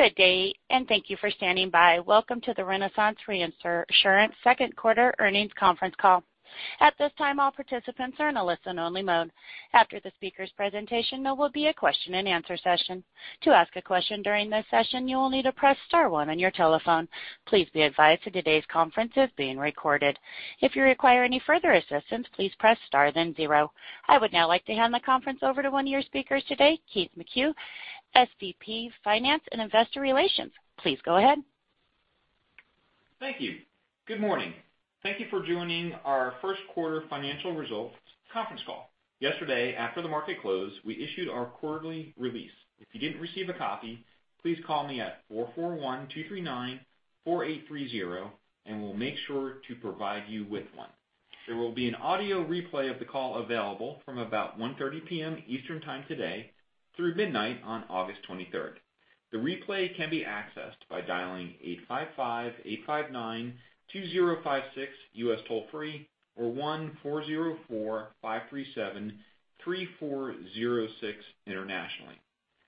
Good day, and thank you for standing by. Welcome to the RenaissanceRe second quarter earnings conference call. At this time, all participants are in a listen-only mode. After the speakers' presentation, there will be a question-and-answer session. To ask a question during this session, you will need to press star one on your telephone. Please be advised that today's conference is being recorded. If you require any further assistance, please press star, then zero. I would now like to hand the conference over to one of your speakers today, Keith McCue, SVP Finance and Investor Relations. Please go ahead. Thank you. Good morning. Thank you for joining our first quarter financial results conference call. Yesterday, after the market closed, we issued our quarterly release. If you didn't receive a copy, please call me at 441-239-4830 and we'll make sure to provide you with one. There will be an audio replay of the call available from about 1:30 P.M. Eastern Time today through midnight on August 23rd. The replay can be accessed by dialing 855-859-2056 U.S. toll-free or 1-404-537-3406 internationally.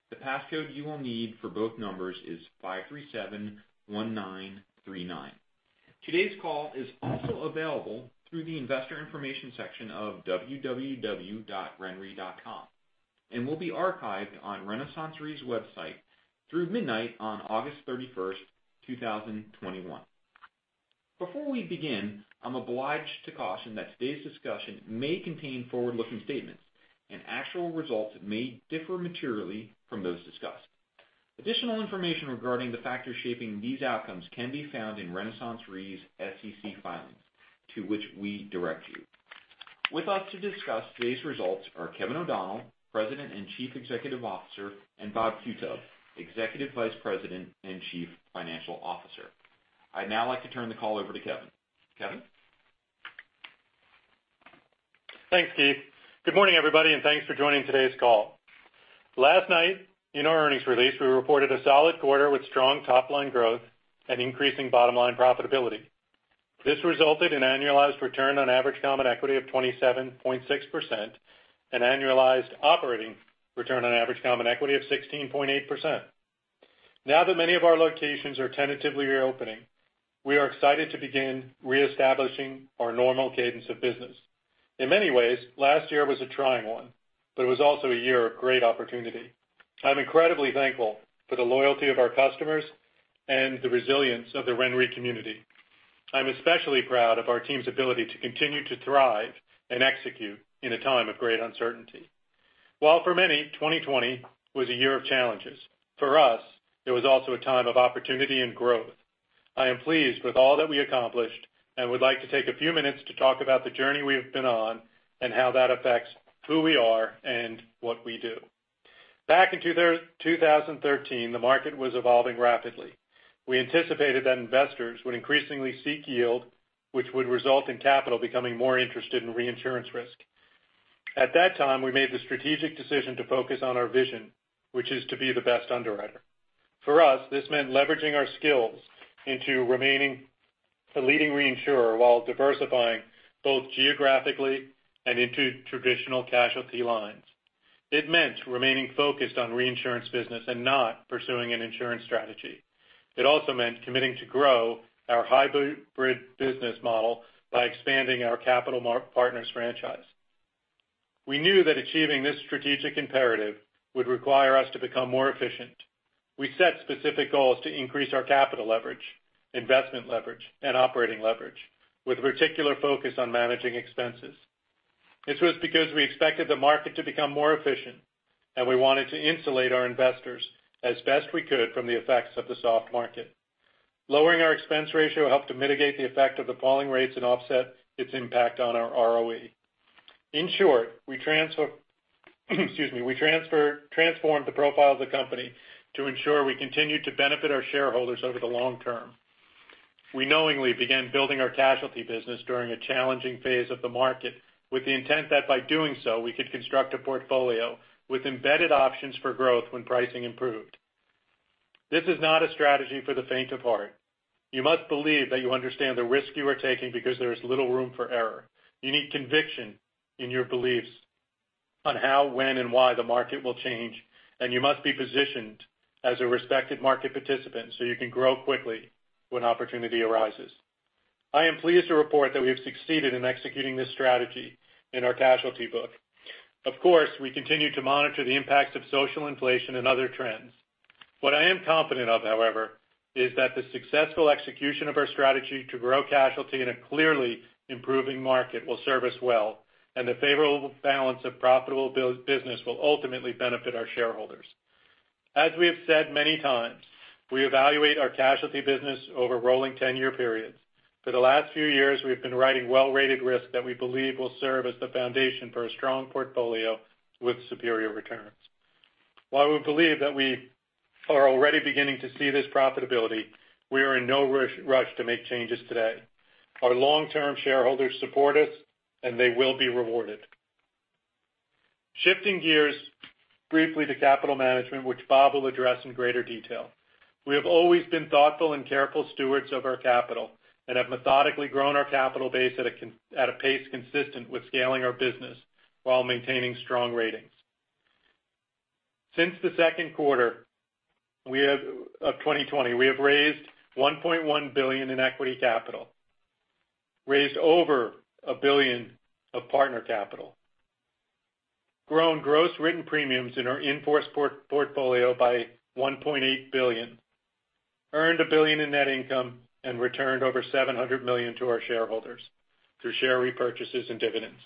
The passcode you will need for both numbers is 5371939. Today's call is also available through the investor information section of www.renre.com and will be archived on RenaissanceRe's website through midnight on August 31st, 2021. Before we begin, I'm obliged to caution that today's discussion may contain forward-looking statements and actual results may differ materially from those discussed. Additional information regarding the factors shaping these outcomes can be found in RenaissanceRe's SEC filings to which we direct you. With us to discuss today's results are Kevin O'Donnell, President and Chief Executive Officer, and Bob Qutub, Executive Vice President and Chief Financial Officer. I'd now like to turn the call over to Kevin. Kevin? Thanks, Keith. Good morning, everybody, and thanks for joining today's call. Last night in our earnings release, we reported a solid quarter with strong top-line growth and increasing bottom-line profitability. This resulted in annualized return on average common equity of 27.6% and annualized operating return on average common equity of 16.8%. Now that many of our locations are tentatively reopening, we are excited to begin reestablishing our normal cadence of business. In many ways, last year was a trying one, but it was also a year of great opportunity. I'm incredibly thankful for the loyalty of our customers and the resilience of the RenRe community. I'm especially proud of our team's ability to continue to thrive and execute in a time of great uncertainty. While for many, 2020 was a year of challenges, for us, it was also a time of opportunity and growth. I am pleased with all that we accomplished and would like to take a few minutes to talk about the journey we have been on and how that affects who we are and what we do. Back in 2013, the market was evolving rapidly. We anticipated that investors would increasingly seek yield, which would result in capital becoming more interested in reinsurance risk. At that time, we made the strategic decision to focus on our vision, which is to be the best underwriter. For us, this meant leveraging our skills into remaining a leading reinsurer while diversifying both geographically and into traditional casualty lines. It meant remaining focused on reinsurance business and not pursuing an insurance strategy. It also meant committing to grow our hybrid business model by expanding our Capital Partners franchise. We knew that achieving this strategic imperative would require us to become more efficient. We set specific goals to increase our capital leverage, investment leverage, and operating leverage with a particular focus on managing expenses. This was because we expected the market to become more efficient, and we wanted to insulate our investors as best we could from the effects of the soft market. Lowering our expense ratio helped to mitigate the effect of the falling rates and offset its impact on our ROE. In short, we transformed the profile of the company to ensure we continued to benefit our shareholders over the long-term. We knowingly began building our casualty business during a challenging phase of the market with the intent that by doing so, we could construct a portfolio with embedded options for growth when pricing improved. This is not a strategy for the faint of heart. You must believe that you understand the risk you are taking because there is little room for error. You need conviction in your beliefs on how, when, and why the market will change, and you must be positioned as a respected market participant so you can grow quickly when opportunity arises. I am pleased to report that we have succeeded in executing this strategy in our casualty book. Of course, we continue to monitor the impacts of social inflation and other trends. What I am confident of, however, is that the successful execution of our strategy to grow casualty in a clearly improving market will serve us well, and the favorable balance of profitable business will ultimately benefit our shareholders. As we have said many times, we evaluate our casualty business over rolling 10-year periods. For the last few years, we've been writing well-rated risk that we believe will serve as the foundation for a strong portfolio with superior returns. While we believe that we are already beginning to see this profitability, we are in no rush to make changes today. Our long-term shareholders support us, and they will be rewarded. Shifting gears briefly to capital management, which Bob will address in greater detail. We have always been thoughtful and careful stewards of our capital and have methodically grown our capital base at a pace consistent with scaling our business while maintaining strong ratings. Since the second quarter of 2020, we have raised $1.1 billion in equity capital, raised over $1 billion of partner capital, grown gross written premiums in our in-force portfolio by $1.8 billion, earned $1 billion in net income, and returned over $700 million to our shareholders through share repurchases and dividends.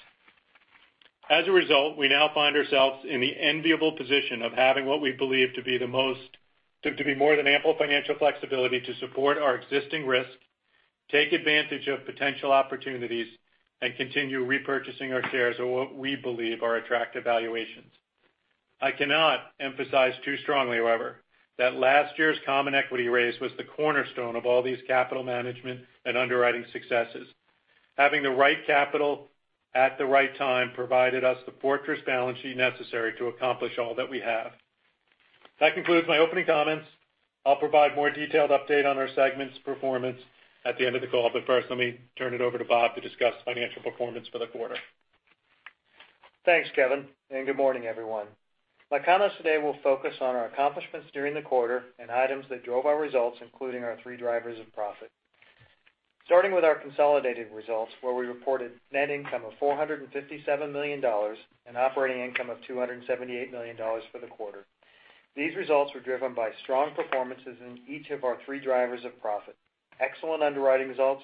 As a result, we now find ourselves in the enviable position of having what we believe to be more than ample financial flexibility to support our existing risk, take advantage of potential opportunities, and continue repurchasing our shares at what we believe are attractive valuations. I cannot emphasize too strongly, however, that last year's common equity raise was the cornerstone of all these capital management and underwriting successes. Having the right capital at the right time provided us the fortress balance sheet necessary to accomplish all that we have. That concludes my opening comments. I'll provide more detailed update on our segment's performance at the end of the call. First, let me turn it over to Bob to discuss financial performance for the quarter. Thanks, Kevin, and good morning, everyone. My comments today will focus on our accomplishments during the quarter and items that drove our results, including our three drivers of profit. Starting with our consolidated results, where we reported net income of $457 million and operating income of $278 million for the quarter. These results were driven by strong performances in each of our three drivers of profit, excellent underwriting results,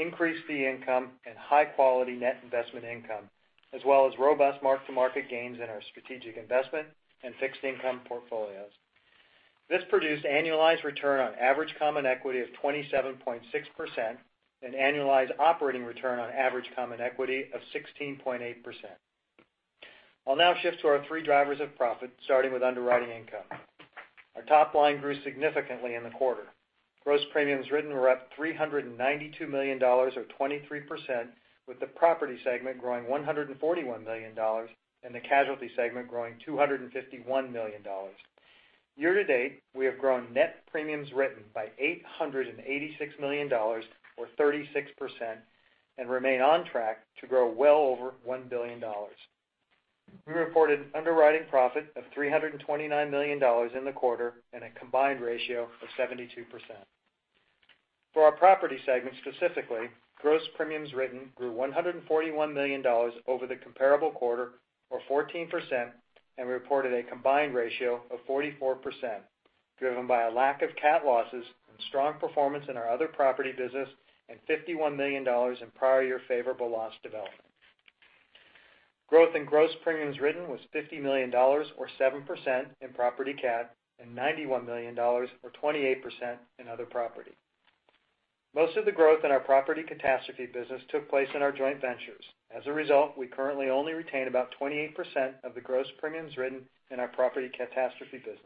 increased fee income, and high-quality net investment income, as well as robust mark-to-market gains in our strategic investment and fixed income portfolios. This produced annualized return on average common equity of 27.6% and annualized operating return on average common equity of 16.8%. I'll now shift to our three drivers of profit, starting with underwriting income. Our top line grew significantly in the quarter. Gross premiums written were up $392 million or 23%, with the property segment growing $141 million and the casualty segment growing $251 million. Year-to-date, we have grown net premiums written by $886 million or 36% and remain on track to grow well over $1 billion. We reported underwriting profit of $329 million in the quarter and a combined ratio of 72%. For our property segment, specifically, gross premiums written grew $141 million over the comparable quarter or 14%, and we reported a combined ratio of 44%, driven by a lack of cat losses and strong performance in our other property business and $51 million in prior year favorable loss development. Growth in gross premiums written was $50 million or 7% in property cat and $91 million or 28% in other property. Most of the growth in our property catastrophe business took place in our joint ventures. As a result, we currently only retain about 28% of the gross premiums written in our property catastrophe business.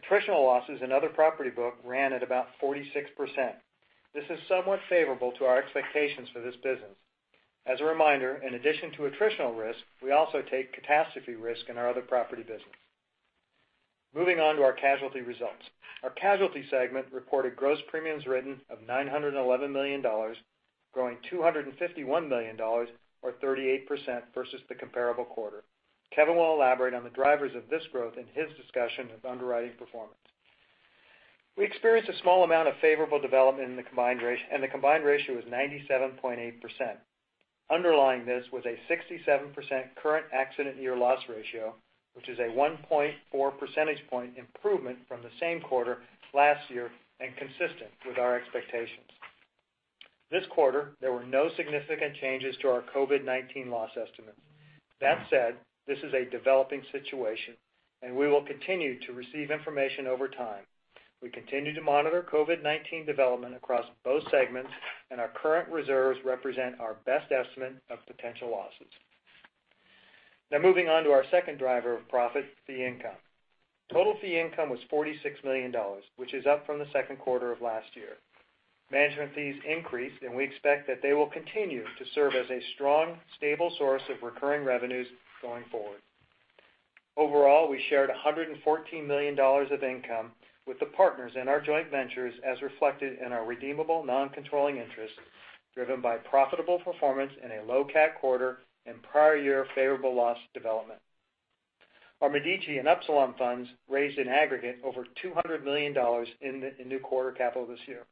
Attritional losses in other property book ran at about 46%. This is somewhat favorable to our expectations for this business. As a reminder, in addition to attritional risk, we also take catastrophe risk in our other property business. Moving on to our casualty results. Our casualty segment reported gross premiums written of $911 million, growing $251 million or 38% versus the comparable quarter. Kevin will elaborate on the drivers of this growth in his discussion of underwriting performance. We experienced a small amount of favorable development in the combined ratio, and the combined ratio was 97.8%. Underlying this was a 67% current accident year loss ratio, which is a 1.4 percentage point improvement from the same quarter last year and consistent with our expectations. This quarter, there were no significant changes to our COVID-19 loss estimates. That said, this is a developing situation and we will continue to receive information over time. We continue to monitor COVID-19 development across both segments, and our current reserves represent our best estimate of potential losses. Now moving on to our second driver of profit, fee income. Total fee income was $46 million, which is up from the second quarter of last year. Management fees increased, and we expect that they will continue to serve as a strong, stable source of recurring revenues going forward. Overall, we shared $114 million of income with the partners in our joint ventures as reflected in our redeemable non-controlling interest, driven by profitable performance in a low cat quarter and prior year favorable loss development. Our Medici and Upsilon funds raised in aggregate over $200 million in new quarter capital this year,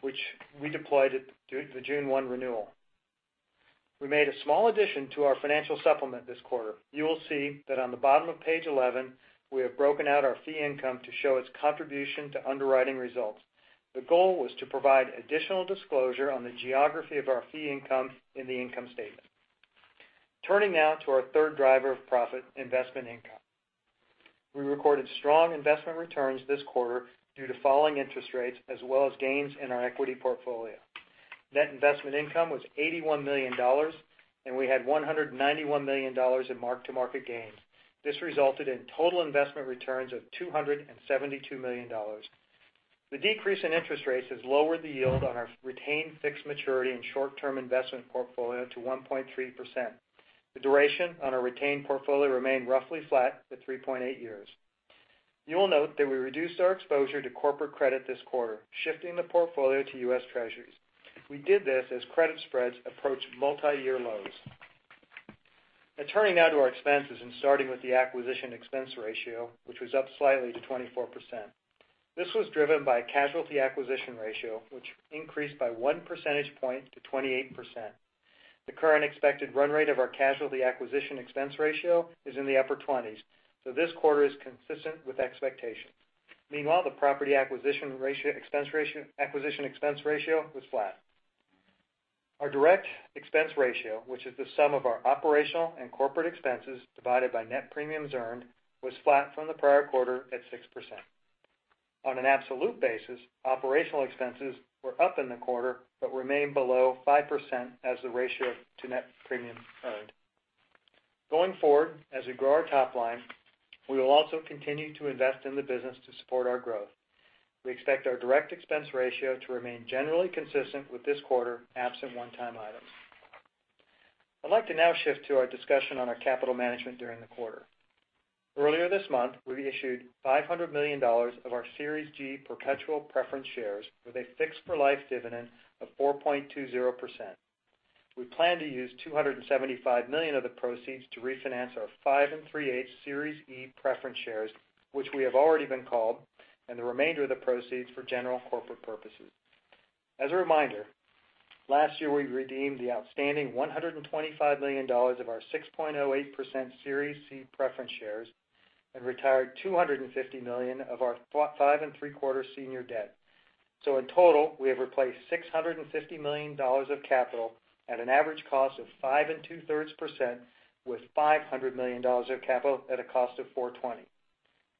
which we deployed at the June 1 renewal. We made a small addition to our financial supplement this quarter. You will see that on the bottom of Page 11, we have broken out our fee income to show its contribution to underwriting results. The goal was to provide additional disclosure on the geography of our fee income in the income statement. Turning now to our third driver of profit, investment income. We recorded strong investment returns this quarter due to falling interest rates as well as gains in our equity portfolio. Net investment income was $81 million, and we had $191 million in mark-to-market gains. This resulted in total investment returns of $272 million. The decrease in interest rates has lowered the yield on our retained fixed maturity and short-term investment portfolio to 1.3%. The duration on our retained portfolio remained roughly flat at 3.8 years. You will note that we reduced our exposure to corporate credit this quarter, shifting the portfolio to U.S. Treasuries. We did this as credit spreads approached multi-year lows. Turning now to our expenses and starting with the acquisition expense ratio, which was up slightly to 24%. This was driven by casualty acquisition ratio, which increased by 1 percentage point to 28%. The current expected run rate of our casualty acquisition expense ratio is in the upper 20s, so this quarter is consistent with expectations. Meanwhile, the property acquisition expense ratio was flat. Our direct expense ratio, which is the sum of our operational and corporate expenses divided by net premiums earned, was flat from the prior quarter at 6%. On an absolute basis, operational expenses were up in the quarter, but remain below 5% as the ratio to net premiums earned. Going forward, as we grow our top line, we will also continue to invest in the business to support our growth. We expect our direct expense ratio to remain generally consistent with this quarter, absent one-time items. I'd like to now shift to our discussion on our capital management during the quarter. Earlier this month, we reissued $500 million of our Series G perpetual preference shares with a fixed-for-life dividend of 4.20%. We plan to use $275 million of the proceeds to refinance our five 3/8 Series E preference shares, which we have already been called, and the remainder of the proceeds for general corporate purposes. As a reminder, last year, we redeemed the outstanding $125 million of our 6.08% Series C preference shares and retired $250 million of our five 3/4 senior debt. In total, we have replaced $650 million of capital at an average cost of five 2/3% with $500 million of capital at a cost of 420.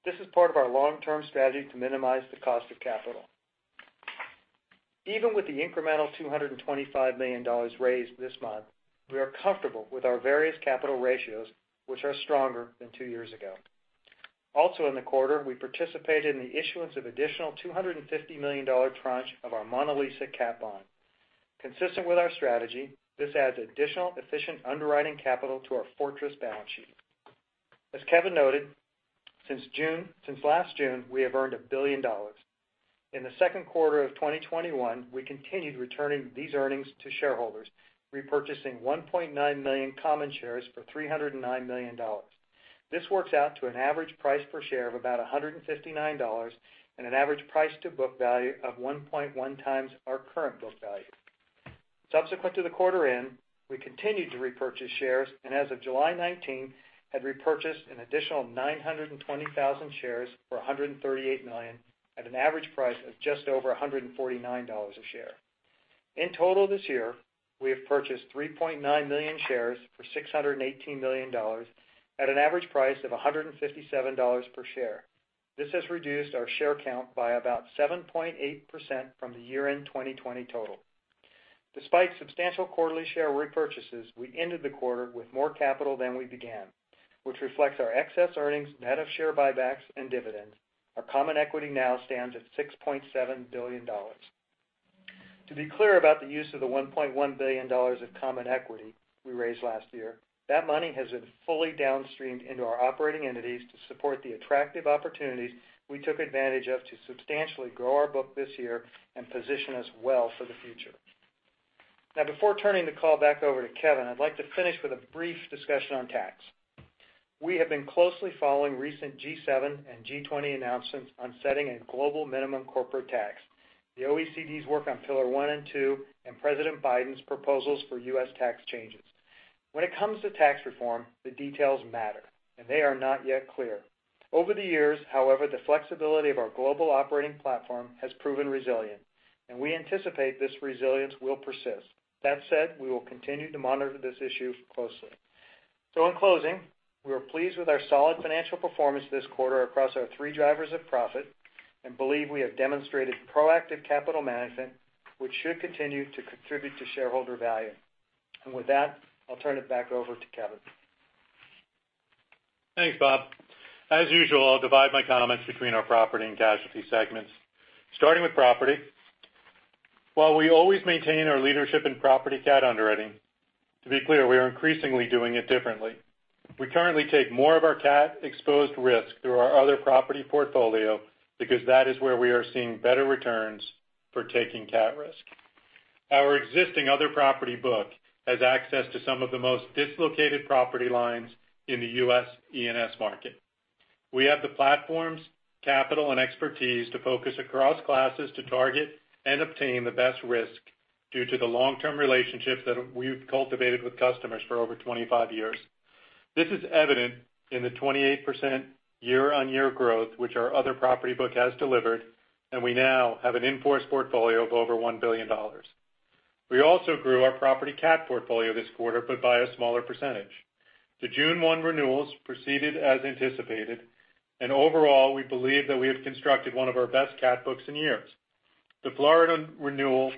This is part of our long-term strategy to minimize the cost of capital. Even with the incremental $225 million raised this month, we are comfortable with our various capital ratios, which are stronger than two years ago. Also in the quarter, we participated in the issuance of additional $250 million tranche of our Mona Lisa cat bond. Consistent with our strategy, this adds additional efficient underwriting capital to our fortress balance sheet. As Kevin noted, since last June, we have earned $1 billion. In the second quarter of 2021, we continued returning these earnings to shareholders, repurchasing 1.9 million common shares for $309 million. This works out to an average price per share of about $159 and an average price to book value of 1.1 times our current book value. Subsequent to the quarter end, we continued to repurchase shares, and as of July 19, had repurchased an additional 920,000 shares for $138 million at an average price of just over $149 a share. In total this year, we have purchased 3.9 million shares for $618 million at an average price of $157 per share. This has reduced our share count by about 7.8% from the year-end 2020 total. Despite substantial quarterly share repurchases, we ended the quarter with more capital than we began, which reflects our excess earnings net of share buybacks and dividends. Our common equity now stands at $6.7 billion. To be clear about the use of the $1.1 billion of common equity we raised last year, that money has been fully downstreamed into our operating entities to support the attractive opportunities we took advantage of to substantially grow our book this year and position us well for the future. Now, before turning the call back over to Kevin, I'd like to finish with a brief discussion on tax. We have been closely following recent G7 and G20 announcements on setting a global minimum corporate tax, the OECD's work on Pillar 1 and 2, and President Biden's proposals for U.S. tax changes. When it comes to tax reform, the details matter, and they are not yet clear. Over the years, however, the flexibility of our global operating platform has proven resilient, and we anticipate this resilience will persist. That said, we will continue to monitor this issue closely. In closing, we are pleased with our solid financial performance this quarter across our three drivers of profit and believe we have demonstrated proactive capital management, which should continue to contribute to shareholder value. With that, I'll turn it back over to Kevin. Thanks, Bob. As usual, I'll divide my comments between our property and casualty segments. Starting with property. While we always maintain our leadership in property cat underwriting, to be clear, we are increasingly doing it differently. We currently take more of our cat-exposed risk through our other property portfolio because that is where we are seeing better returns for taking cat risk. Our existing other property book has access to some of the most dislocated property lines in the U.S. E&S market. We have the platforms, capital, and expertise to focus across classes to target and obtain the best risk due to the long-term relationships that we've cultivated with customers for over 25 years. This is evident in the 28% year-on-year growth, which our other property book has delivered, and we now have an in-force portfolio of over $1 billion. We also grew our property cat portfolio this quarter, but by a smaller percentage. The June 1 renewals proceeded as anticipated, and overall, we believe that we have constructed one of our best cat books in years. The Florida renewal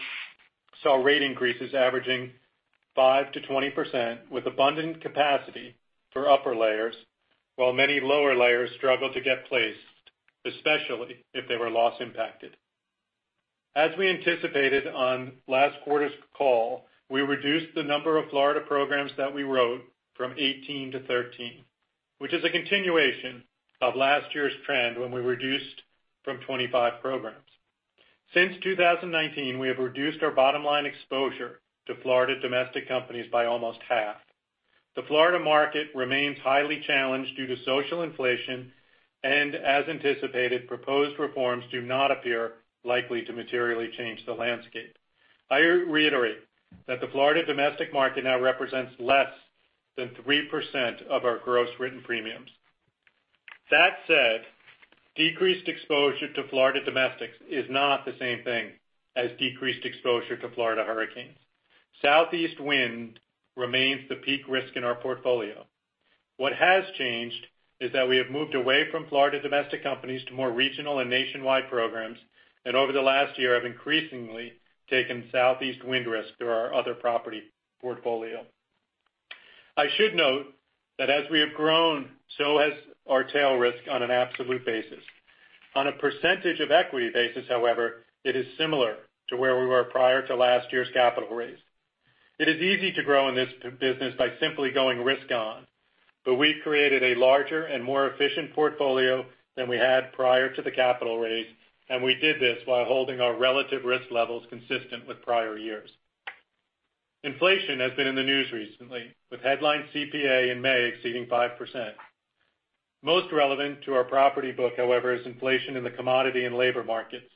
saw rate increases averaging 5%-20% with abundant capacity for upper layers, while many lower layers struggled to get placed, especially if they were loss impacted. As we anticipated on last quarter's call, we reduced the number of Florida programs that we wrote from 18-13, which is a continuation of last year's trend when we reduced from 25 programs. Since 2019, we have reduced our bottom-line exposure to Florida domestic companies by almost half. The Florida market remains highly challenged due to social inflation, and as anticipated, proposed reforms do not appear likely to materially change the landscape. I reiterate that the Florida domestic market now represents less than 3% of our gross written premiums. That said, decreased exposure to Florida domestics is not the same thing as decreased exposure to Florida hurricanes. Southeast wind remains the peak risk in our portfolio. What has changed is that we have moved away from Florida domestic companies to more regional and nationwide programs, and over the last year have increasingly taken southeast wind risk through our other property portfolio. I should note that as we have grown, so has our tail risk on an absolute basis. On a percentage of equity basis, however, it is similar to where we were prior to last year's capital raise. It is easy to grow in this business by simply going risk on, but we've created a larger and more efficient portfolio than we had prior to the capital raise, and we did this while holding our relative risk levels consistent with prior years. Inflation has been in the news recently, with headline CPI in May exceeding 5%. Most relevant to our property book, however, is inflation in the commodity and labor markets,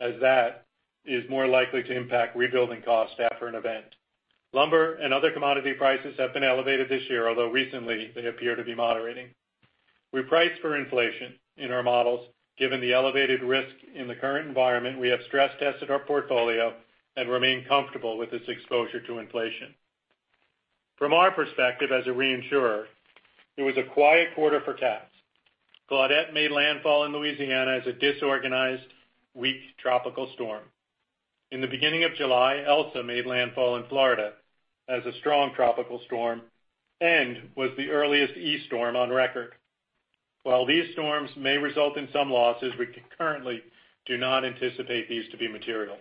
as that is more likely to impact rebuilding costs after an event. Lumber and other commodity prices have been elevated this year, although recently they appear to be moderating. We price for inflation in our models. Given the elevated risk in the current environment, we have stress tested our portfolio and remain comfortable with this exposure to inflation. From our perspective as a reinsurer, it was a quiet quarter for cats. Claudette made landfall in Louisiana as a disorganized, weak tropical storm. In the beginning of July, Elsa made landfall in Florida as a strong tropical storm and was the earliest E storm on record. While these storms may result in some losses, we currently do not anticipate these to be material.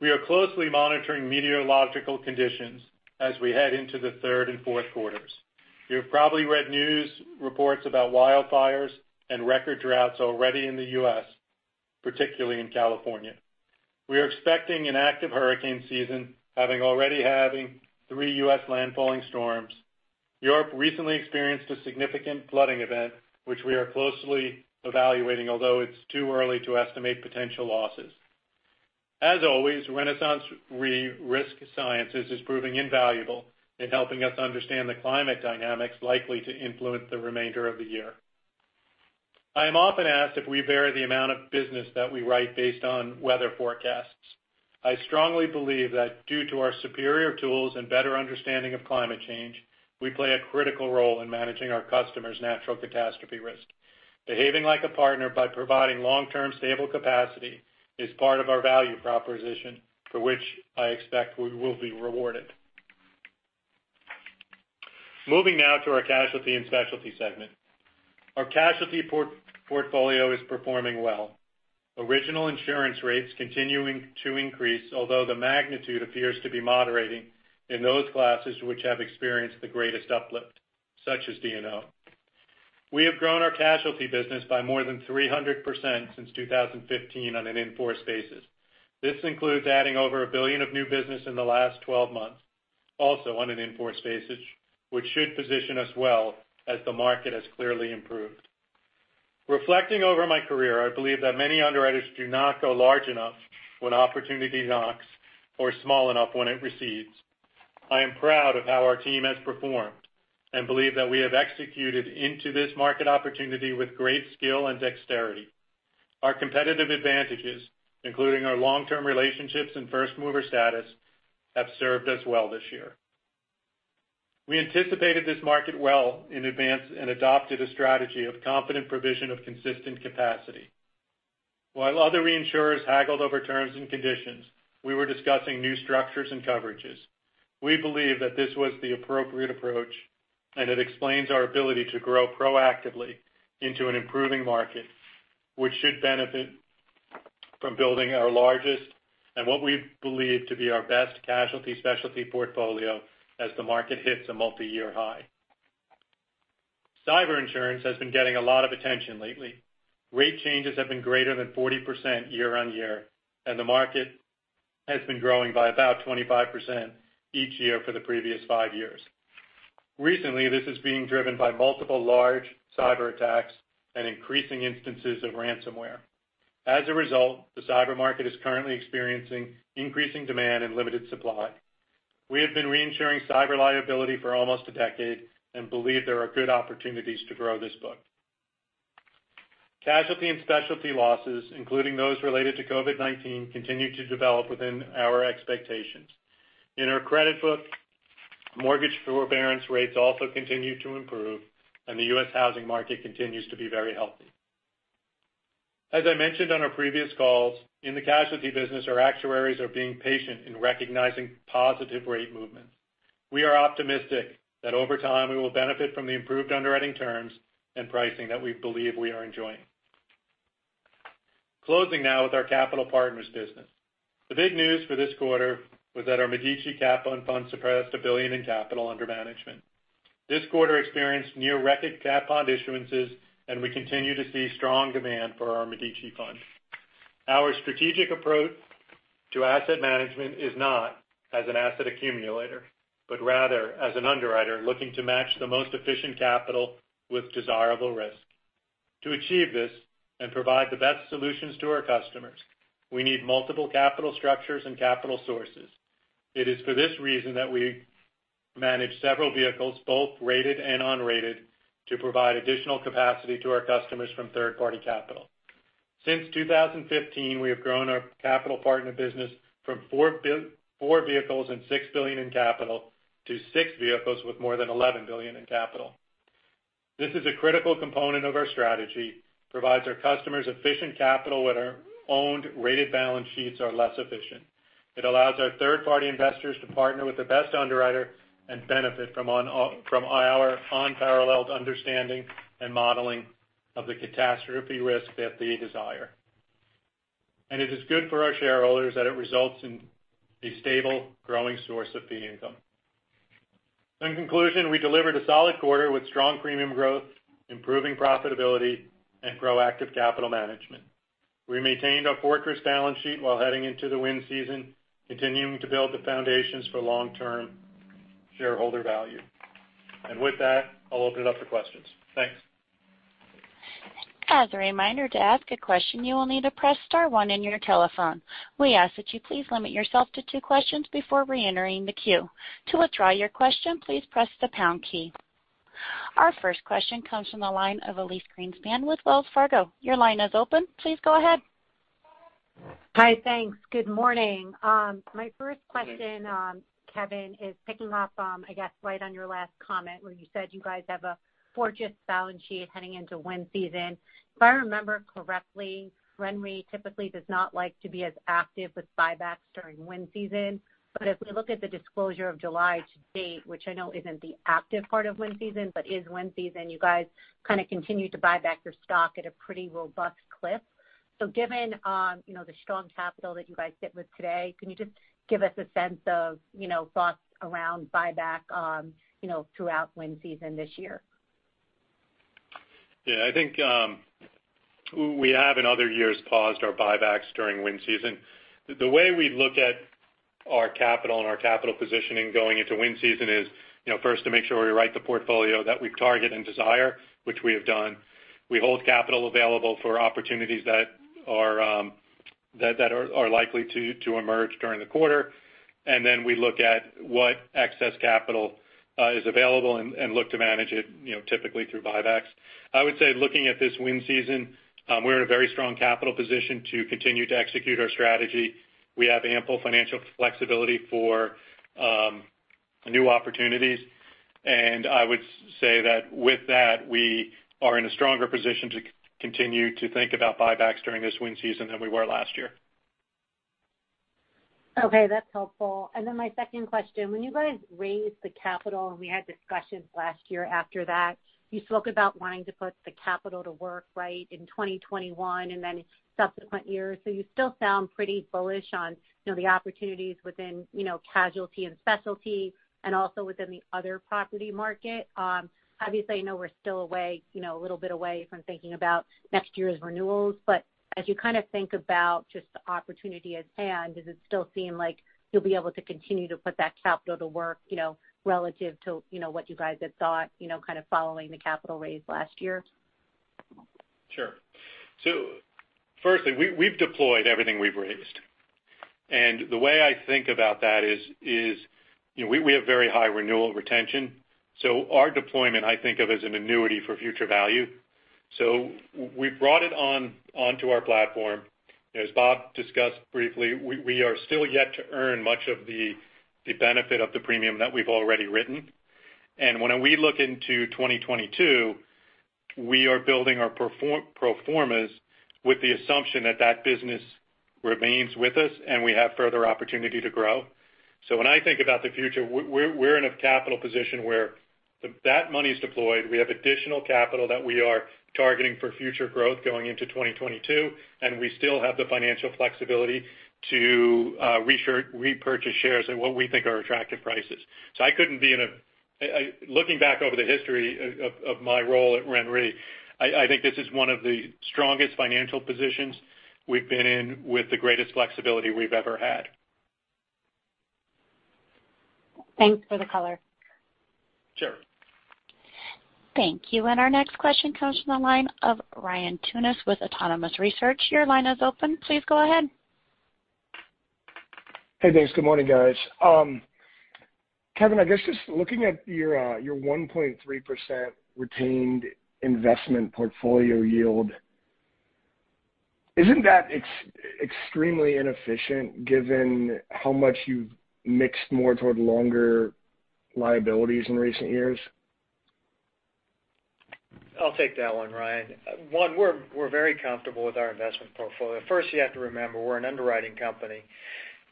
We are closely monitoring meteorological conditions as we head into the third and fourth quarters. You have probably read news reports about wildfires and record droughts already in the U.S., particularly in California. We are expecting an active hurricane season having already three U.S. landfalling storms. Europe recently experienced a significant flooding event, which we are closely evaluating, although it's too early to estimate potential losses. As always, RenaissanceRe Risk Sciences is proving invaluable in helping us understand the climate dynamics likely to influence the remainder of the year. I am often asked if we vary the amount of business that we write based on weather forecasts. I strongly believe that due to our superior tools and better understanding of climate change, we play a critical role in managing our customers' natural catastrophe risk. Behaving like a partner by providing long-term stable capacity is part of our value proposition, for which I expect we will be rewarded. Moving now to our casualty and specialty segment. Our casualty portfolio is performing well. Original insurance rates continuing to increase, although the magnitude appears to be moderating in those classes which have experienced the greatest uplift, such as D&O. We have grown our casualty business by more than 300% since 2015 on an in-force basis. This includes adding over $1 billion of new business in the last 12 months, also on an in-force basis, which should position us well as the market has clearly improved. Reflecting over my career, I believe that many underwriters do not go large enough when opportunity knocks or small enough when it recedes. I am proud of how our team has performed and believe that we have executed into this market opportunity with great skill and dexterity. Our competitive advantages, including our long-term relationships and first-mover status, have served us well this year. We anticipated this market well in advance and adopted a strategy of confident provision of consistent capacity. While other reinsurers haggled over terms and conditions, we were discussing new structures and coverages. We believe that this was the appropriate approach, and it explains our ability to grow proactively into an improving market, which should benefit from building our largest and what we believe to be our best casualty specialty portfolio as the market hits a multi-year high. Cyber insurance has been getting a lot of attention lately. Rate changes have been greater than 40% year-over-year, and the market has been growing by about 25% each year for the previous five years. Recently, this is being driven by multiple large cyberattacks and increasing instances of ransomware. As a result, the cyber market is currently experiencing increasing demand and limited supply. We have been reinsuring cyber liability for almost a decade and believe there are good opportunities to grow this book. Casualty and specialty losses, including those related to COVID-19, continue to develop within our expectations. In our credit book, mortgage forbearance rates also continue to improve. The U.S. housing market continues to be very healthy. As I mentioned on our previous calls, in the casualty business, our actuaries are being patient in recognizing positive rate movements. We are optimistic that over time, we will benefit from the improved underwriting terms and pricing that we believe we are enjoying. Closing now with our capital partners business. The big news for this quarter was that our Medici fund surpassed $1 billion in capital under management. This quarter experienced near-record cat bond issuances, and we continue to see strong demand for our Medici fund. Our strategic approach to asset management is not as an asset accumulator, but rather as an underwriter looking to match the most efficient capital with desirable risk. To achieve this and provide the best solutions to our customers, we need multiple capital structures and capital sources. It is for this reason that we manage several vehicles, both rated and unrated, to provide additional capacity to our customers from third-party capital. Since 2015, we have grown our capital partner business from 4 vehicles and $6 billion in capital to 6 vehicles with more than $11 billion in capital. This is a critical component of our strategy, provides our customers efficient capital when our owned rated balance sheets are less efficient. It allows our third-party investors to partner with the best underwriter and benefit from our unparalleled understanding and modeling of the catastrophe risk that they desire. It is good for our shareholders that it results in a stable, growing source of fee income. In conclusion, we delivered a solid quarter with strong premium growth, improving profitability, and proactive capital management. We maintained our fortress balance sheet while heading into the wind season, continuing to build the foundations for long-term shareholder value. And with that, I'll open it up for questions. Thanks. As a reminder, to ask a question, you will need to press star one on your telephone. We ask that you please limit yourself to two questions before reentering the queue. To withdraw your question, please press the pound key. Our first question comes from the line of Elyse Greenspan with Wells Fargo. Your line is open. Please go ahead. Hi, thanks. Good morning. My first question, Kevin, is picking up on, I guess, right on your last comment where you said you guys have a fortress balance sheet heading into wind season. If I remember correctly, RenRe typically does not like to be as active with buybacks during wind season. As we look at the disclosure of July to date, which I know isn't the active part of wind season, but is wind season, you guys kind of continued to buy back your stock at a pretty robust clip. Given the strong capital that you guys sit with today, can you just give us a sense of thoughts around buyback throughout wind season this year? Yeah, I think we have in other years paused our buybacks during wind season. The way we look at our capital and our capital positioning going into wind season is first to make sure we write the portfolio that we target and desire, which we have done. We hold capital available for opportunities that are likely to emerge during the quarter, and then we look at what excess capital is available and look to manage it, typically through buybacks. I would say looking at this wind season, we are in a very strong capital position to continue to execute our strategy. We have ample financial flexibility for new opportunities, and I would say that with that, we are in a stronger position to continue to think about buybacks during this wind season than we were last year. Okay, that's helpful. Then my second question, when you guys raised the capital, and we had discussions last year after that, you spoke about wanting to put the capital to work right in 2021 and then subsequent years. You still sound pretty bullish on the opportunities within casualty and specialty and also within the other property market. Obviously, I know we're still a little bit away from thinking about next year's renewals, as you kind of think about just the opportunity at hand, does it still seem like you'll be able to continue to put that capital to work relative to what you guys had thought, kind of following the capital raise last year? Sure. Firstly, we've deployed everything we've raised. The way I think about that is we have very high renewal retention. Our deployment, I think of as an annuity for future value. We've brought it onto our platform. As Bob discussed briefly, we are still yet to earn much of the benefit of the premium that we've already written. When we look into 2022, we are building our pro formas with the assumption that that business remains with us and we have further opportunity to grow. When I think about the future, we're in a capital position where that money's deployed. We have additional capital that we are targeting for future growth going into 2022, and we still have the financial flexibility to repurchase shares at what we think are attractive prices. Looking back over the history of my role at RenRe, I think this is one of the strongest financial positions we've been in with the greatest flexibility we've ever had. Thanks for the color. Sure. Thank you. Our next question comes from the line of Ryan Tunis with Autonomous Research. Your line is open. Please go ahead. Hey, thanks. Good morning, guys. Kevin, I guess just looking at your 1.3% retained investment portfolio yield, isn't that extremely inefficient given how much you've mixed more toward longer liabilities in recent years? I'll take that one, Ryan. One, we're very comfortable with our investment portfolio. You have to remember, we're an underwriting company,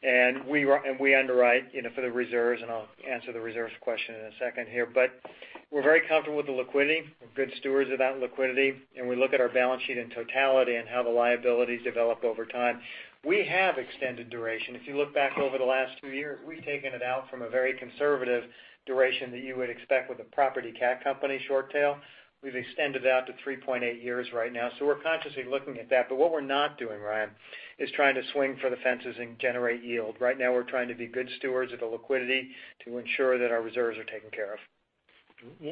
and we underwrite for the reserves, and I'll answer the reserves question in a second here. We're very comfortable with the liquidity. We're good stewards of that liquidity, and we look at our balance sheet in totality and how the liabilities develop over time. We have extended duration. If you look back over the last two years, we've taken it out from a very conservative duration that you would expect with a property cat company short tail. We've extended it out to 3.8 years right now, so we're consciously looking at that. What we're not doing, Ryan, is trying to swing for the fences and generate yield. Right now, we're trying to be good stewards of the liquidity to ensure that our reserves are taken care of.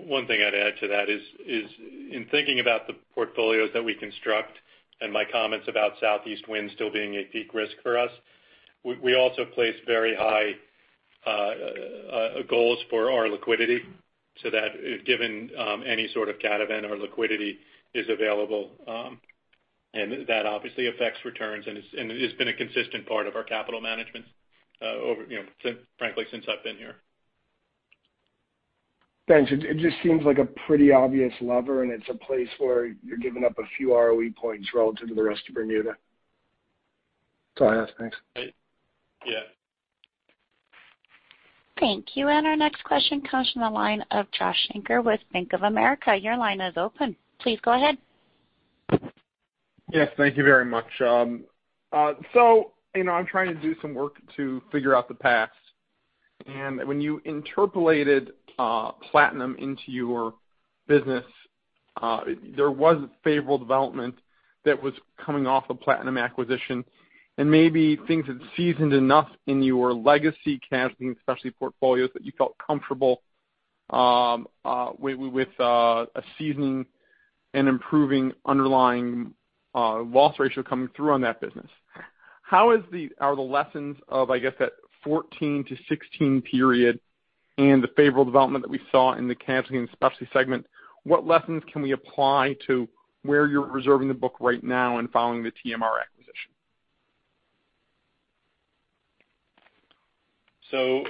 One thing I'd add to that is in thinking about the portfolios that we construct and my comments about southeast wind still being a peak risk for us, we also place very high goals for our liquidity so that given any sort of cat event, our liquidity is available. That obviously affects returns, and it's been a consistent part of our capital management, frankly, since I've been here. Thanks. It just seems like a pretty obvious lever, and it's a place where you're giving up a few ROE points relative to the rest of Bermuda. That's all I ask. Thanks. Yeah. Thank you. Our next question comes from the line of Josh Shanker with Bank of America. Your line is open. Please go ahead. Yes, thank you very much. I'm trying to do some work to figure out the past. When you interpolated Platinum into your business, there was a favorable development that was coming off the Platinum acquisition. Maybe things had seasoned enough in your legacy casualty and specialty portfolios that you felt comfortable with a season and improving underlying loss ratio coming through on that business. How are the lessons of, I guess, that 2014-2016 period and the favorable development that we saw in the casualty and specialty segment, what lessons can we apply to where you're reserving the book right now and following the TMR acquisition?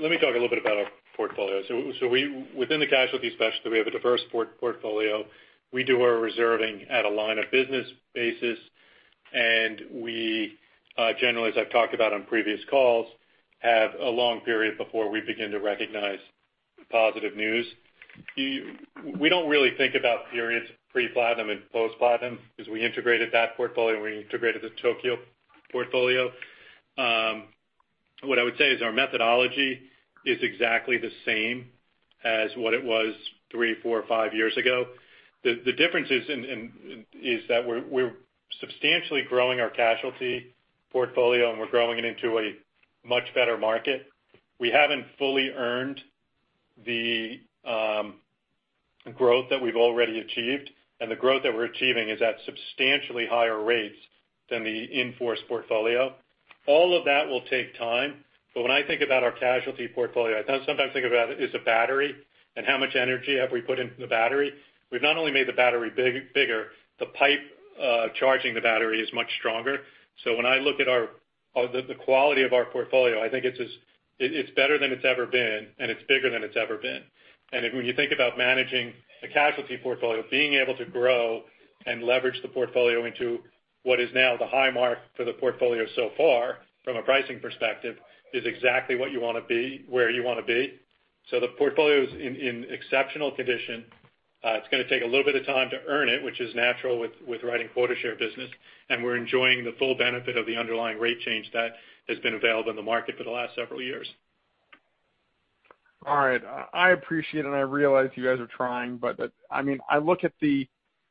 Let me talk a little bit about our portfolio. Within the casualty specialty, we have a diverse portfolio. We do our reserving at a line of business basis, and we generally, as I've talked about on previous calls, have a long period before we begin to recognize positive news. We don't really think about periods pre-Platinum and post-Platinum because we integrated that portfolio, and we integrated the Tokio portfolio. What I would say is our methodology is exactly the same as what it was three, four, or five years ago. The difference is that we're substantially growing our casualty portfolio, and we're growing it into a much better market. We haven't fully earned the growth that we've already achieved, and the growth that we're achieving is at substantially higher rates than the in-force portfolio. All of that will take time, but when I think about our casualty portfolio, I sometimes think about it as a battery and how much energy have we put into the battery. We've not only made the battery bigger, the pipe charging the battery is much stronger. When I look at the quality of our portfolio, I think it's better than it's ever been, and it's bigger than it's ever been. When you think about managing a casualty portfolio, being able to grow and leverage the portfolio into what is now the high mark for the portfolio so far from a pricing perspective, is exactly what you want to be, where you want to be. The portfolio's in exceptional condition. It's going to take a little bit of time to earn it, which is natural with writing quota share business. We're enjoying the full benefit of the underlying rate change that has been available in the market for the last several years. All right. I appreciate and I realize you guys are trying, I look at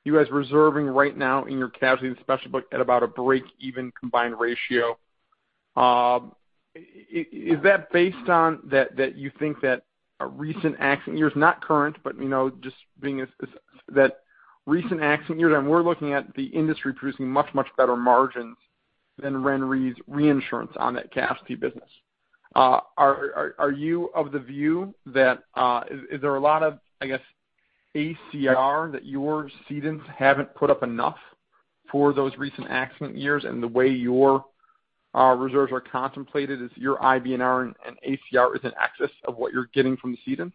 you guys reserving right now in your casualty and special book at about a break-even combined ratio. Is that based on that you think that recent accident years, not current, but just being that recent accident years, we're looking at the industry producing much, much better margins than RenRe's reinsurance on that casualty business? Are you of the view that, is there a lot of, I guess, ACR that your cedents haven't put up enough for those recent accident years and the way your reserves are contemplated is your IBNR and ACR is in excess of what you're getting from the cedents?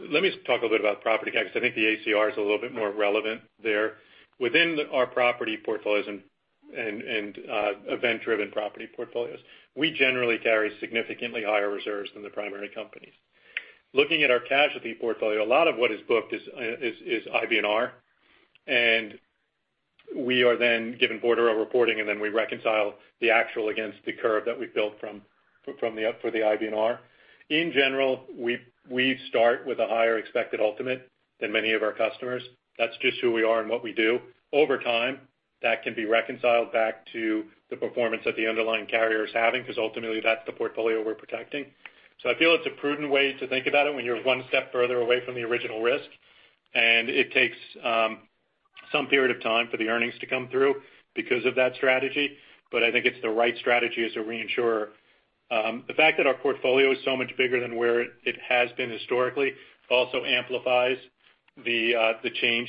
Let me talk a little bit about property casualty because I think the ACR is a little bit more relevant there. Within our property portfolios and event-driven property portfolios, we generally carry significantly higher reserves than the primary companies. Looking at our casualty portfolio, a lot of what is booked is IBNR, and we are then given quarter over reporting, and then we reconcile the actual against the curve that we've built for the IBNR. In general, we start with a higher expected ultimate than many of our customers. That's just who we are and what we do. Over time, that can be reconciled back to the performance that the underlying carrier is having because ultimately that's the portfolio we're protecting. I feel it's a prudent way to think about it when you're one step further away from the original risk. It takes some period of time for the earnings to come through because of that strategy. I think it's the right strategy as a reinsurer. The fact that our portfolio is so much bigger than where it has been historically also amplifies the change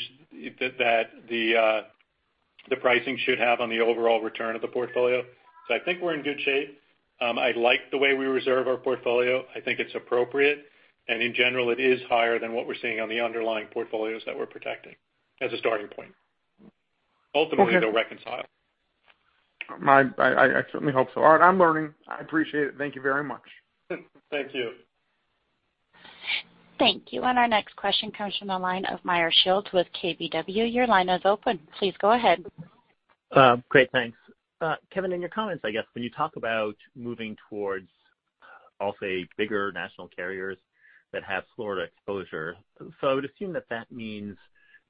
that the pricing should have on the overall return of the portfolio. I think we're in good shape. I like the way we reserve our portfolio. I think it's appropriate, and in general, it is higher than what we're seeing on the underlying portfolios that we're protecting as a starting point. Okay. Ultimately, they'll reconcile. I certainly hope so. All right, I'm learning. I appreciate it. Thank you very much. Thank you. Thank you. Our next question comes from the line of Meyer Shields with KBW. Your line is open. Please go ahead. Great, thanks. Kevin, in your comments, I guess, when you talk about moving towards, I'll say, bigger national carriers that have Florida exposure, so I would assume that that means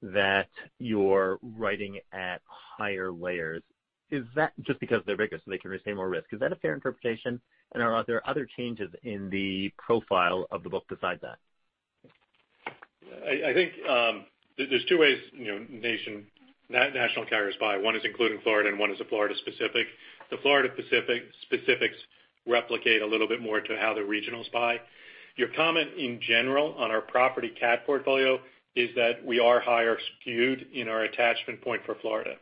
that you're writing at higher layers. Is that just because they're bigger, so they can retain more risk? Is that a fair interpretation, and are there other changes in the profile of the book besides that? I think there's two ways national carriers buy. One is including Florida, one is Florida specific. The Florida specifics replicate a little bit more to how the regionals buy. Your comment in general on our property cat portfolio is that we are higher skewed in our attachment point for Florida.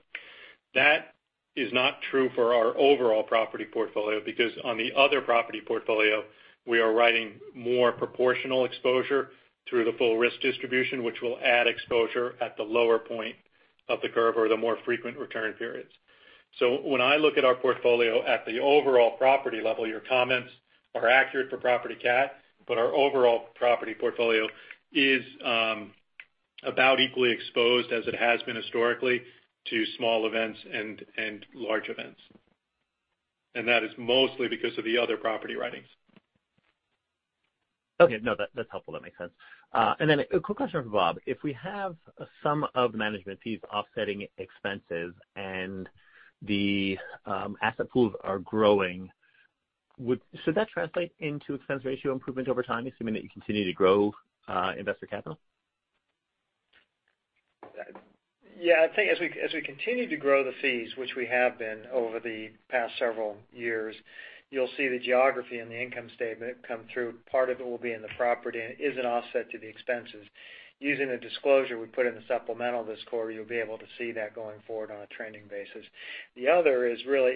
That is not true for our overall property portfolio, because on the other property portfolio, we are writing more proportional exposure through the full risk distribution, which will add exposure at the lower point of the curve or the more frequent return periods. When I look at our portfolio at the overall property level, your comments are accurate for property cat, but our overall property portfolio is about equally exposed as it has been historically to small events and large events. That is mostly because of the other property writings. Okay. No, that's helpful. That makes sense. A quick question for Bob. If we have some of management fees offsetting expenses and the asset pools are growing, should that translate into expense ratio improvement over time, assuming that you continue to grow investor capital? Yeah, I think as we continue to grow the fees, which we have been over the past several years, you'll see the geography and the income statement come through. Part of it will be in the property and is an offset to the expenses. Using the disclosure we put in the supplemental disclosure, you'll be able to see that going forward on a trending basis. It's really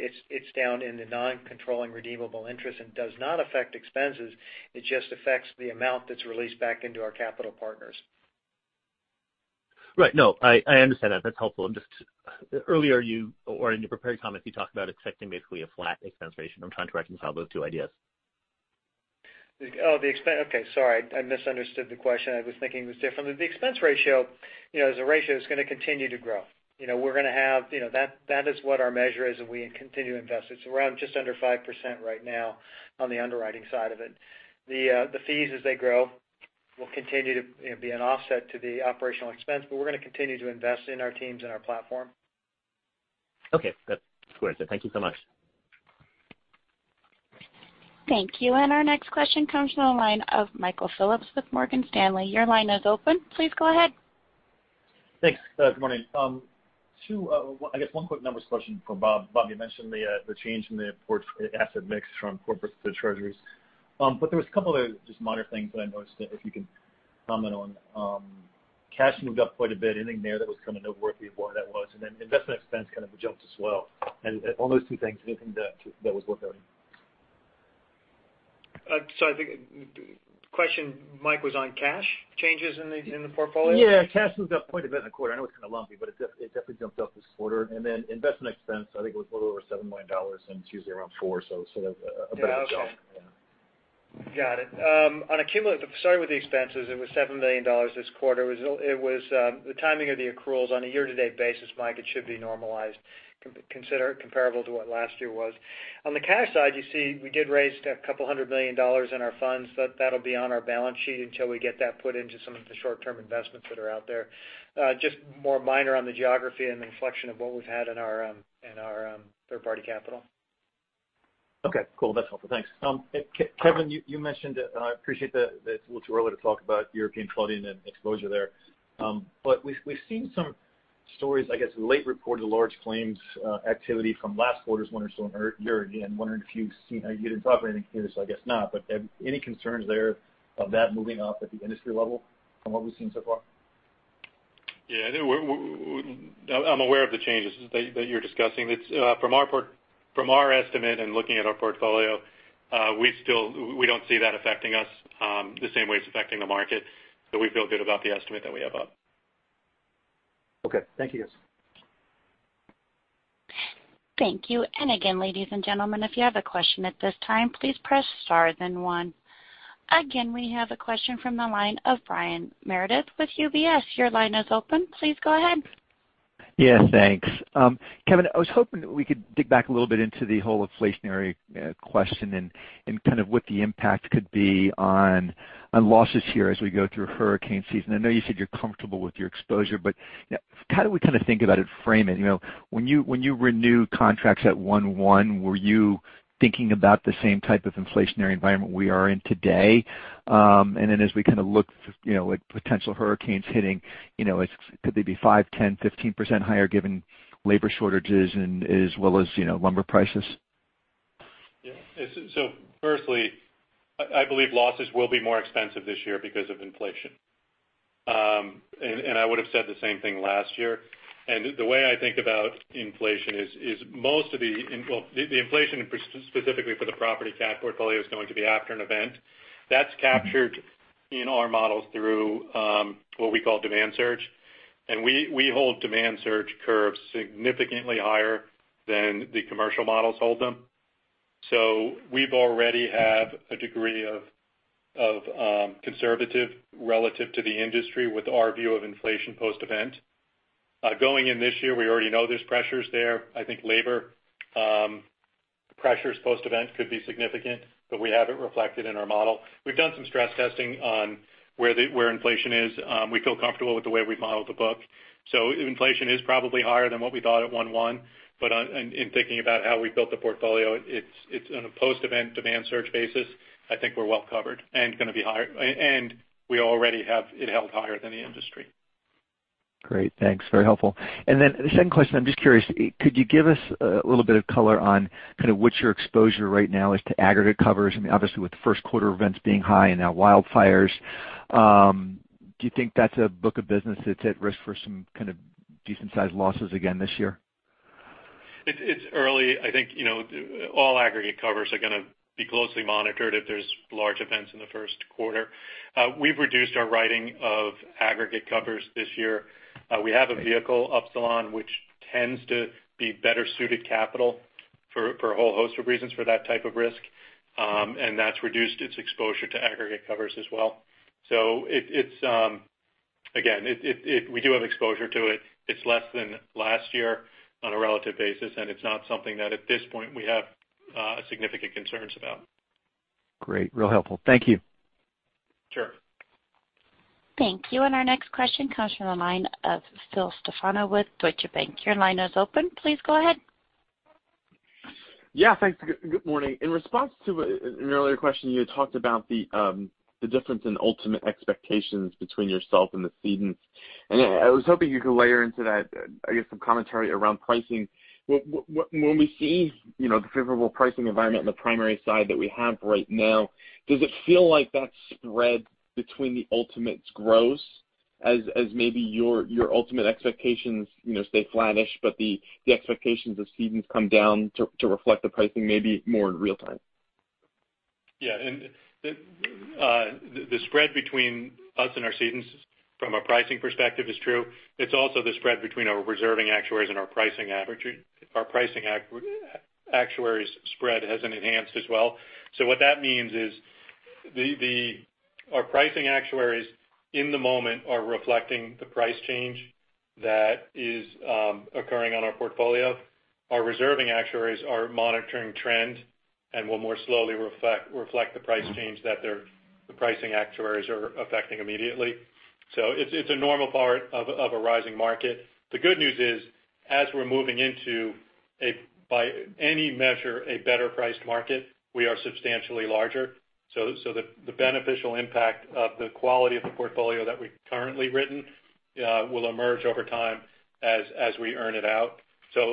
down in the non-controlling redeemable interest and does not affect expenses. It just affects the amount that's released back into our capital partners. Right. No, I understand that. That's helpful. Just earlier you, or in your prepared comments, you talked about expecting basically a flat expense ratio. I'm trying to reconcile those two ideas. The expense. Sorry. I misunderstood the question. I was thinking it was different. The expense ratio as a ratio is going to continue to grow. That is what our measure is. We continue to invest it. We're at just under 5% right now on the underwriting side of it. The fees, as they grow, will continue to be an offset to the operational expense. We're going to continue to invest in our teams and our platform. Okay. That's clear. Thank you so much. Thank you. Our next question comes from the line of Michael Phillips with Morgan Stanley. Your line is open. Please go ahead. Thanks. Good morning. I guess one quick numbers question for Bob. Bob, you mentioned the change in the asset mix from corporate to treasuries. There was a couple other just minor things that I noticed that if you could comment on. Cash moved up quite a bit. Anything there that was kind of noteworthy of why that was? Investment expense kind of jumped as well. On those two things, anything that was worth noting? I think the question, Mike, was on cash changes in the portfolio? Yeah, cash moved up quite a bit in the quarter. I know it's kind of lumpy, but it definitely jumped up this quarter. Then investment expense, I think, was a little over $7 million, and it's usually around $4, so a bit of a jump. Yeah. Got it. Starting with the expenses, it was $7 million this quarter. It was the timing of the accruals. On a year-to-date basis, Michael, it should be normalized, comparable to what last year was. On the cash side, you see we did raise $200 million in our funds. That'll be on our balance sheet until we get that put into some of the short-term investments that are out there. Just more minor on the geography and the inflection of what we've had in our third-party capital. Okay, cool. That's helpful. Thanks. Kevin, you mentioned, I appreciate that it's a little too early to talk about European flooding and exposure there. We've seen some stories, I guess, late report of large claims activity from last quarter's winter storm here again. Wondering if you've seen, you didn't talk about anything here, so I guess not, but any concerns there of that moving up at the industry level from what we've seen so far? Yeah, I'm aware of the changes that you're discussing. From our estimate and looking at our portfolio, we don't see that affecting us the same way it's affecting the market. We feel good about the estimate that we have up. Okay. Thank you guys. Thank you. Ladies and gentlemen, if you have a question at this time, please press star then one. We have a question from the line of Brian Meredith with UBS. Your line is open. Please go ahead. Thanks. Kevin, I was hoping we could dig back a little bit into the whole inflationary question and kind of what the impact could be on losses here as we go through hurricane season. I know you said you're comfortable with your exposure, but how do we kind of think about it, frame it? When you renew contracts at one-one, were you thinking about the same type of inflationary environment we are in today? As we look at potential hurricanes hitting, could they be 5%, 10%, 15% higher given labor shortages and as well as lumber prices? Firstly, I believe losses will be more expensive this year because of inflation. I would've said the same thing last year. The way I think about inflation is Well, the inflation specifically for the property cat portfolio is going to be after an event. That's captured in our models through what we call demand surge. We hold demand surge curves significantly higher than the commercial models hold them. We've already have a degree of conservative relative to the industry with our view of inflation post-event. Going in this year, we already know there's pressures there. I think labor pressures post-event could be significant, but we have it reflected in our model. We've done some stress testing on where inflation is. We feel comfortable with the way we've modeled the book. Inflation is probably higher than what we thought at one-one, but in thinking about how we built the portfolio, it's on a post-event demand surge basis. I think we're well covered and going to be higher. We already have it held higher than the industry. Great. Thanks. Very helpful. The second question, I'm just curious, could you give us a little bit of color on what your exposure right now is to aggregate covers? Obviously, with the first quarter events being high and now wildfires, do you think that's a book of business that's at risk for some decent sized losses again this year? It's early. I think all aggregate covers are going to be closely monitored if there's large events in the first quarter. We've reduced our writing of aggregate covers this year. We have a vehicle, Upsilon, which tends to be better suited capital for a whole host of reasons for that type of risk. That's reduced its exposure to aggregate covers as well. Again, we do have exposure to it. It's less than last year on a relative basis, and it's not something that at this point we have significant concerns about. Great. Really helpful. Thank you. Sure. Thank you. Our next question comes from the line of Phil Stefano with Deutsche Bank. Your line is open. Please go ahead. Yeah, thanks. Good morning. In response to an earlier question, you had talked about the difference in ultimate expectations between yourself and the cedents. I was hoping you could layer into that, I guess, some commentary around pricing. When we see the favorable pricing environment on the primary side that we have right now, does it feel like that spread between the ultimates grows as maybe your ultimate expectations stay flattish, but the expectations of cedents come down to reflect the pricing maybe more in real time? The spread between us and our cedents from a pricing perspective is true. It's also the spread between our reserving actuaries and our pricing actuaries spread has enhanced as well. What that means is our pricing actuaries in the moment are reflecting the price change that is occurring on our portfolio. Our reserving actuaries are monitoring trends and will more slowly reflect the price change that the pricing actuaries are affecting immediately. It's a normal part of a rising market. The good news is, as we're moving into, by any measure, a better-priced market, we are substantially larger. The beneficial impact of the quality of the portfolio that we've currently written will emerge over time as we earn it out.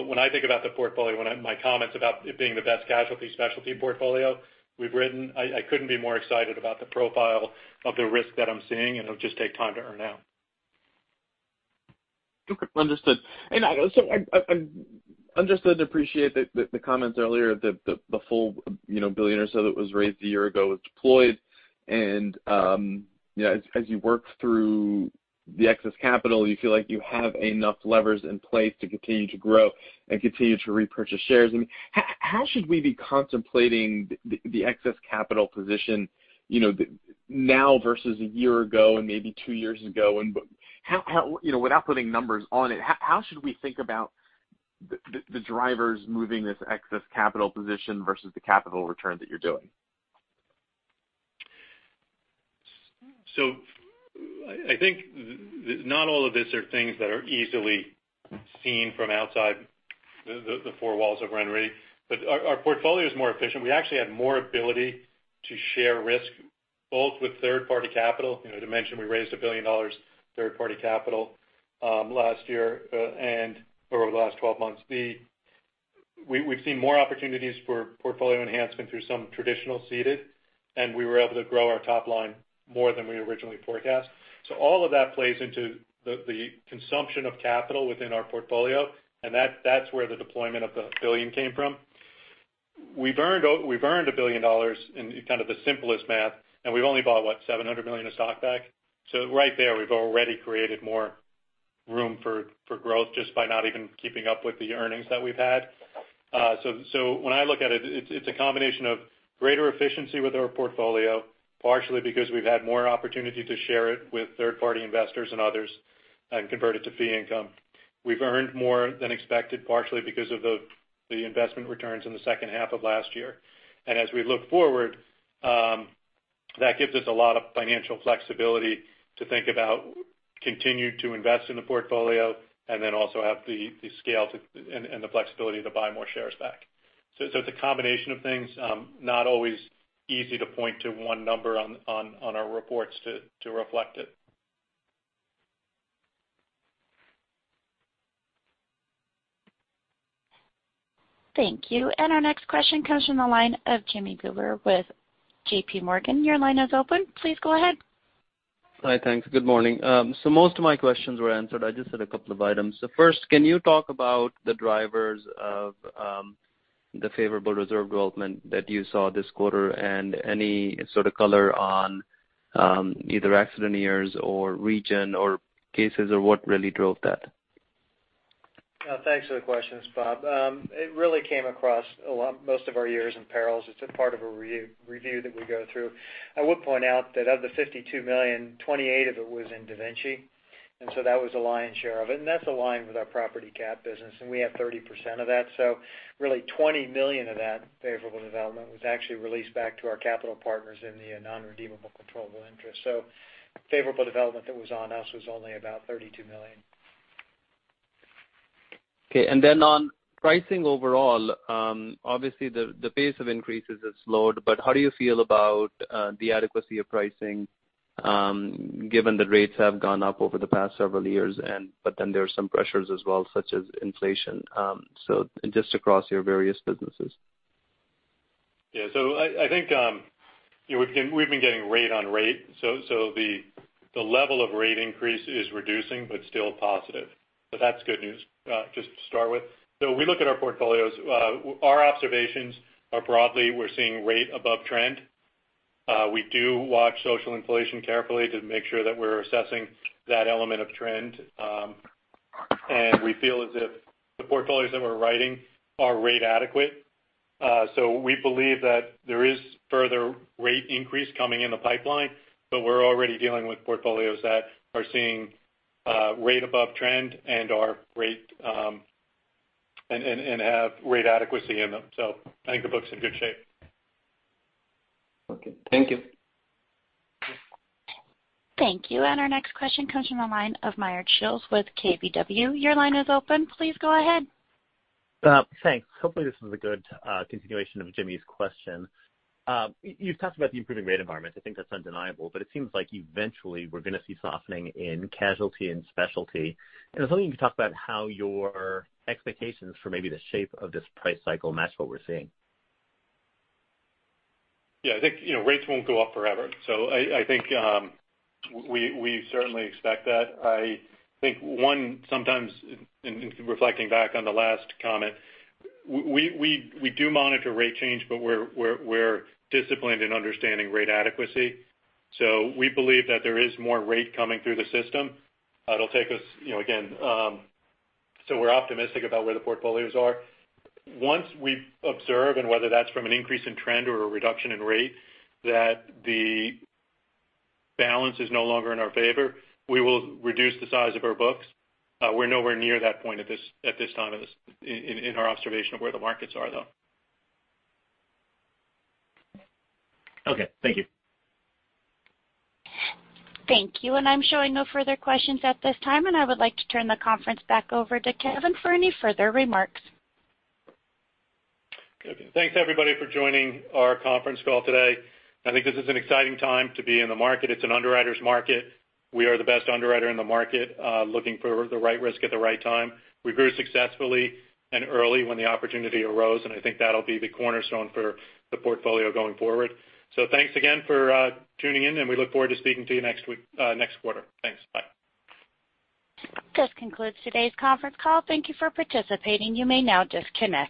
When I think about the portfolio, my comments about it being the best casualty specialty portfolio we've written, I couldn't be more excited about the profile of the risk that I'm seeing, and it'll just take time to earn out. Okay. Understood. I understood and appreciate the comments earlier that the full $1 billion or so that was raised a year ago was deployed. As you work through the excess capital, you feel like you have enough levers in place to continue to grow and continue to repurchase shares. How should we be contemplating the excess capital position now versus a year ago and maybe two years ago? Without putting numbers on it, how should we think about the drivers moving this excess capital position versus the capital return that you're doing? I think not all of these are things that are easily seen from outside the four walls of RenRe. Our portfolio is more efficient. We actually have more ability to share risk, both with third-party capital, to mention we raised $1 billion third-party capital last year or over the last 12 months. We've seen more opportunities for portfolio enhancement through some traditional ceded, and we were able to grow our top line more than we originally forecast. All of that plays into the consumption of capital within our portfolio, and that's where the deployment of the $1 billion came from. We've earned $1 billion in kind of the simplest math, and we've only bought, what, $700 million of stock back? Right there, we've already created more room for growth just by not even keeping up with the earnings that we've had. When I look at it's a combination of greater efficiency with our portfolio, partially because we've had more opportunity to share it with third-party investors and others and convert it to fee income. We've earned more than expected, partially because of the investment returns in the second half of last year. As we look forward, that gives us a lot of financial flexibility to think about continuing to invest in the portfolio and also have the scale and the flexibility to buy more shares back. It's a combination of things. Not always easy to point to one number on our reports to reflect it. Thank you. Our next question comes from the line of Jimmy Bhullar with JPMorgan. Your line is open. Please go ahead. Hi. Thanks. Good morning. Most of my questions were answered. I just had a couple of items. First, can you talk about the drivers of the favorable reserve development that you saw this quarter and any sort of color on either accident years or region or cases, or what really drove that? Thanks for the questions, Bhullar. It really came across a lot, most of our years in perils. It's a part of a review that we go through. I would point out that of the $52 million, $28 million of it was in DaVinci, that was the lion's share of it, that's aligned with our property cat business, we have 30% of that. Really $20 million of that favorable development was actually released back to our capital partners in the non-redeemable controllable interest. Favorable development that was on us was only about $32 million. Okay. On pricing overall, obviously the pace of increases has slowed, but how do you feel about the adequacy of pricing, given that rates have gone up over the past several years, but then there are some pressures as well, such as inflation, so just across your various businesses? I think we've been getting rate on rate, the level of rate increase is reducing but still positive. That's good news just to start with. We look at our portfolios, our observations are broadly, we're seeing rate above trend. We do watch social inflation carefully to make sure that we're assessing that element of trend. We feel as if the portfolios that we're writing are rate adequate. We believe that there is further rate increase coming in the pipeline, but we're already dealing with portfolios that are seeing rate above trend and have rate adequacy in them. I think the book's in good shape. Okay. Thank you. Thank you. Our next question comes from the line of Meyer Shields with KBW. Your line is open. Please go ahead. Thanks. Hopefully, this is a good continuation of Jimmy's question. You've talked about the improving rate environment. I think that's undeniable, but it seems like eventually we're going to see softening in casualty and specialty. I was hoping you could talk about how your expectations for maybe the shape of this price cycle match what we're seeing. I think rates won't go up forever. I think we certainly expect that. I think, 1, sometimes, in reflecting back on the last comment, we do monitor rate change, but we're disciplined in understanding rate adequacy. We believe that there is more rate coming through the system. We're optimistic about where the portfolios are. Once we observe, and whether that's from an increase in trend or a reduction in rate, that the balance is no longer in our favor, we will reduce the size of our books. We're nowhere near that point at this time in our observation of where the markets are, though. Okay. Thank you. Thank you. I'm showing no further questions at this time, and I would like to turn the conference back over to Kevin for any further remarks. Okay. Thanks everybody for joining our conference call today. I think this is an exciting time to be in the market. It's an underwriter's market. We are the best underwriter in the market, looking for the right risk at the right time. We grew successfully and early when the opportunity arose, and I think that'll be the cornerstone for the portfolio going forward. Thanks again for tuning in, and we look forward to speaking to you next quarter. Thanks. Bye. This concludes today's conference call. Thank you for participating. You may now disconnect.